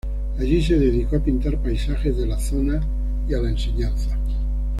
Allí se dedicó a pintar paisajes de la zona y a la enseñanza.